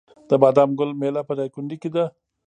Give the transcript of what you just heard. د بادام ګل میله په دایکنډي کې ده.